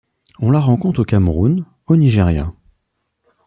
On la rencontre au Cameroun, au Nigeria.